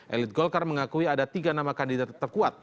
elit golkar mengakui ada tiga nama kandidat terkuat